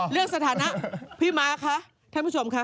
สถานะพี่ม้าคะท่านผู้ชมค่ะ